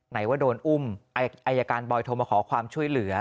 ไหนว่าโดนอุ้มอายการบอยโทรมาขอความช่วยเหลือ